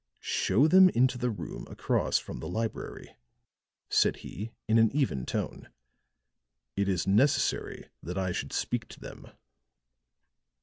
"Show them into the room across from the library," said he in an even tone. "It is necessary that I should speak to them."